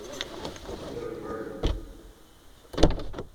I could have murdered.